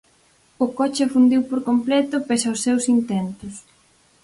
O coche afundiu por completo pese aos seus intentos.